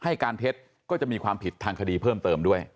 ให้การเท็จก็จะมีความผิดทางคดีเพิ่มเติมด้วย